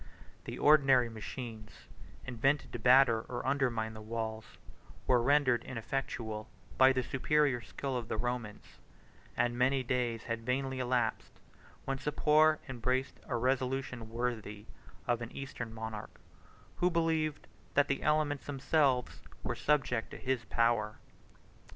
The ordinary machines, invented to batter or undermine the walls, were rendered ineffectual by the superior skill of the Romans; and many days had vainly elapsed, when Sapor embraced a resolution worthy of an eastern monarch, who believed that the elements themselves were subject to his power.